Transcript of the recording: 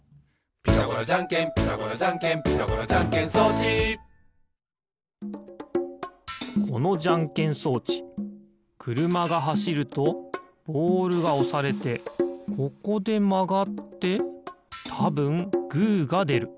「ピタゴラじゃんけんピタゴラじゃんけん」「ピタゴラじゃんけん装置」このじゃんけん装置くるまがはしるとボールがおされてここでまがってたぶんグーがでる。